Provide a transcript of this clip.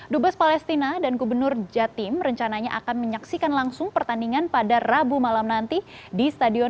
dubes palestina dan gubernur jatim rencananya akan menyaksikan langsung pertandingan pada rabu malam nanti di stadion